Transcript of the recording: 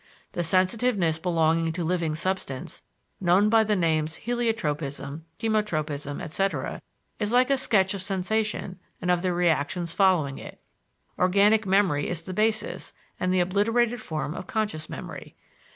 The sensitiveness belonging to living substance, known by the names heliotropism, chemotropism, etc., is like a sketch of sensation and of the reactions following it; organic memory is the basis and the obliterated form of conscious memory.